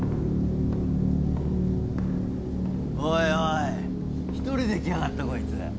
おいおい一人で来やがったこいつ。